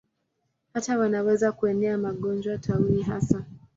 Hata wanaweza kuenea magonjwa, tauni hasa.